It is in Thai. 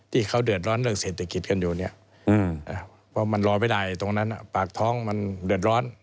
ที่เขาเดือดร้อนเรื่องเศรษฐกิจกันอยู่เนี่ยเพราะมันรอไม่ได้ตรงนั้นปากท้องมันเดือดร้อน